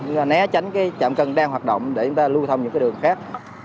để né tránh chạm cân đang hoạt động để chúng ta lưu thông những đường khác